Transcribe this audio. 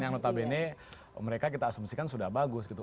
yang notabene mereka kita asumsikan sudah bagus gitu